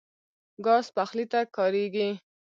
ګاز پخلي ته کارېږي.